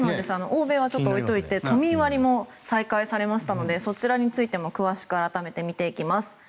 欧米は置いておいて都民割も再開されましたのでそちらのついても詳しく見ていきます。